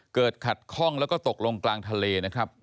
เกิดขัดข้องแล้วก็ตกลงกลางทะเลนะครับ